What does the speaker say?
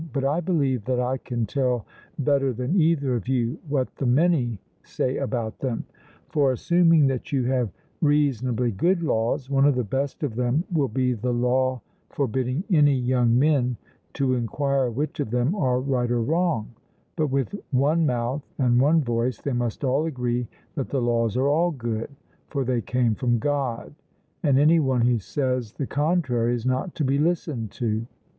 But I believe that I can tell better than either of you what the many say about them. For assuming that you have reasonably good laws, one of the best of them will be the law forbidding any young men to enquire which of them are right or wrong; but with one mouth and one voice they must all agree that the laws are all good, for they came from God; and any one who says the contrary is not to be listened to.